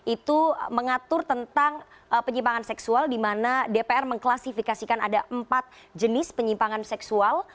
itu mengatur tentang penyimpangan seksual di mana dpr mengklasifikasikan ada empat jenis penyimpangan seksual